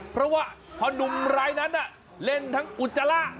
เพราะว่าพอนุ่มรายนั้นเล่นทั้งอุจจาระ